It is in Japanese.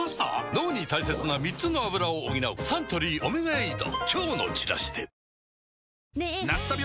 脳に大切な３つのアブラを補うサントリー「オメガエイド」